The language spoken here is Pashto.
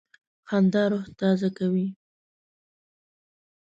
خندا روح تازه کوي.